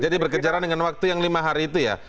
jadi berkejaran dengan waktu yang lima hari itu ya